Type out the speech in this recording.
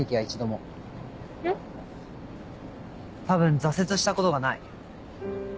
多分挫折したことがない。